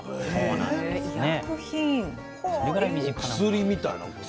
薬みたいなもの？